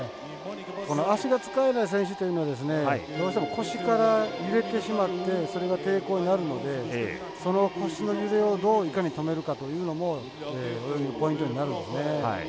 足が使えない選手というのはどうしても腰から揺れてしまってそれが抵抗になるのでその腰の揺れをどういかに止めるかというのも泳ぎのポイントになるんですね。